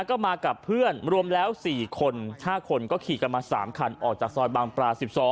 ก็มากับเพื่อนรวมแล้ว๔คน๕คนก็ขี่กันมา๓คันออกจากซอยบางปลา๑๒